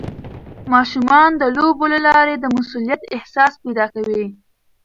ماشومان د لوبو له لارې د مسؤلیت احساس پیدا کوي.